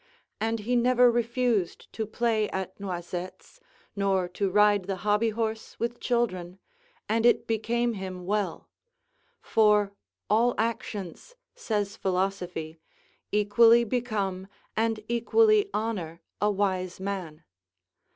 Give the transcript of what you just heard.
And he never refused to play at noisettes, nor to ride the hobby horse with children, and it became him well; for all actions, says philosophy, equally become and equally honour a wise man.